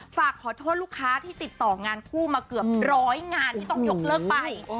ฝากขอโทษลูกค้าที่ติดต่องานคู่มาเกือบร้อยงานที่ต้องยกเลิกไป